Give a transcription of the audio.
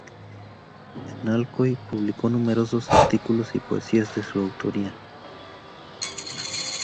En Alcoy publicó numerosos artículos y poesías de su autoría.